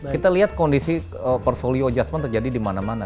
kita lihat kondisi portfolio adjustment terjadi di mana mana